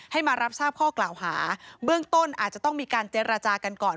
มารับทราบข้อกล่าวหาเบื้องต้นอาจจะต้องมีการเจรจากันก่อน